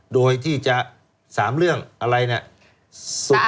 โดยที่จะ๓เรื่องอะไรเนี่ย